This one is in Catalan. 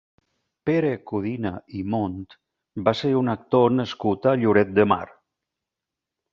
Pere Codina i Mont va ser un actor nascut a Lloret de Mar.